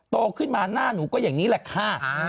โตขึ้นมาหน้าหนูก็อย่างนี้แหละค่ะ